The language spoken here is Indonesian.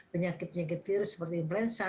penyakit penyakit virus seperti influenza